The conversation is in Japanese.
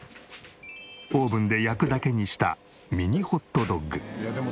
オーブンで焼くだけにしたミニホットドッグ。